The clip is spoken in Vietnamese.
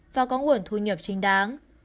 và có nguồn thu nhập chính đáng